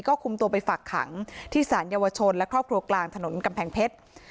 ก็คุมตัวไปฝากขังที่สารเยาวชนและครอบครัวกลางถนนกำแพงเพชร